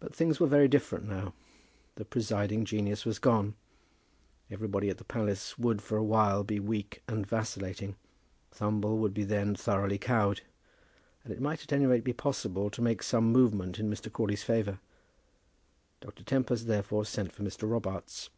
But things were very different now. The presiding genius was gone. Everybody at the palace would for a while be weak and vacillating. Thumble would be then thoroughly cowed; and it might at any rate be possible to make some movement in Mr. Crawley's favour. Dr. Tempest, therefore, sent for Mr. Robarts.